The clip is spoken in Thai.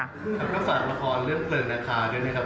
แล้วก็ฝากละครเรื่องเพลิงราคาด้วยนะครับ